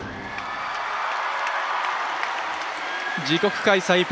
自国開催